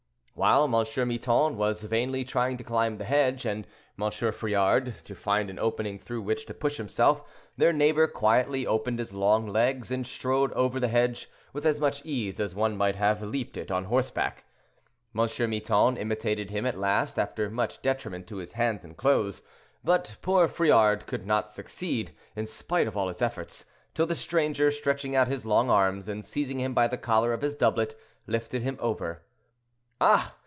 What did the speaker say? While M. Miton was vainly trying to climb the hedge, and M. Friard to find an opening through which to push himself, their neighbor quietly opened his long legs and strode over the hedge with as much ease as one might have leaped it on horseback. M. Miton imitated him at last after much detriment to his hands and clothes; but poor Friard could not succeed, in spite of all his efforts, till the stranger, stretching out his long arms, and seizing him by the collar of his doublet, lifted him over. "Ah!